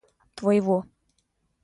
твоего